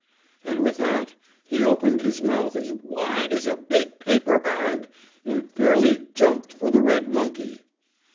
And with that he opened his mouth as wide as a big paper bag, and fairly jumped for the red monkey.